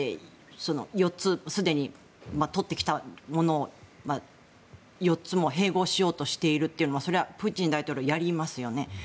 ４つ、すでに取ってきたものを４つも併合しようとしているというのをそれはプーチン大統領はやりますよね。